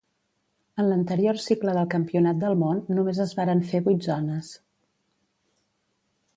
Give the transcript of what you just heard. En l'anterior cicle del campionat del món només es varen fer vuit zones.